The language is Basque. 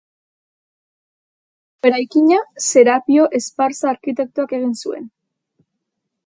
Gaur egungo eraikina Serapio Esparza arkitektoak egin zuen.